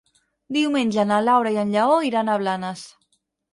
Diumenge na Laura i en Lleó iran a Blanes.